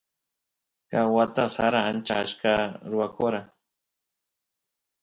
ka wata sara ancha achka ruwakora